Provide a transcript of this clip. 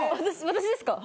私ですか？